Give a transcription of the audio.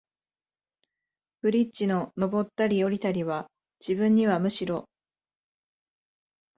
ブリッジの上ったり降りたりは、自分にはむしろ、